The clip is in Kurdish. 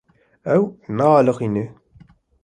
Ew nealiqîne.